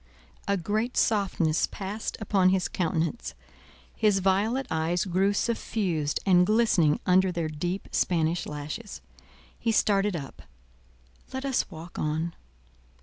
A great softness passed upon his countenance; his violet eyes grew suffused and glistening under their deep Spanish lashes: he started up; "Let us walk on."